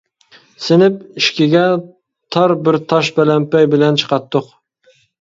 سىنىپ ئىشىكىگە تار بىر تاش پەلەمپەي بىلەن چىقاتتۇق.